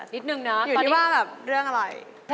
นิดหนึ่งค่ะอยู่ที่ว่าเรื่องอะไรนะตอนนี้